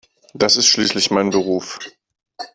Das ist schließlich mein Beruf.